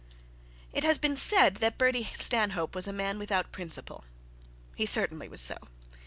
It has been said that Bertie Stanhope was a man without principle. He certainly was so.